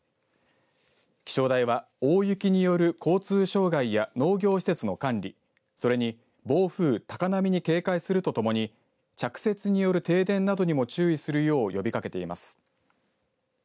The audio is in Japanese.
気象台は大雪による交通障害や農業施設の管理それに暴風高波に警戒するとともに着雪による停電などにも注意するよう呼びかけています。